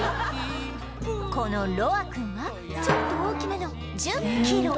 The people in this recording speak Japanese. このロアくんはちょっと大きめの１０キロ